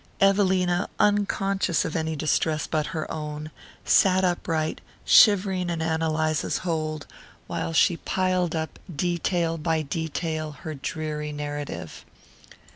Evelina, unconscious of any distress but her own, sat upright, shivering in Ann Eliza's hold, while she piled up, detail by detail, her dreary narrative.